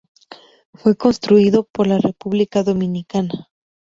Fue construido por la República Dominicana.